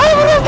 ada apaan sih